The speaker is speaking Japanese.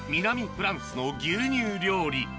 フランスの牛乳料理